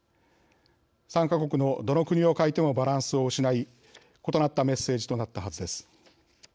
３か国のどの国を欠いてもバランスを失い異なったメッセージとなったはずです。